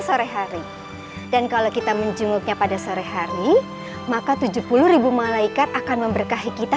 sore hari dan kalau kita menjenguknya pada sore hari maka tujuh puluh malaikat akan memberkahi kita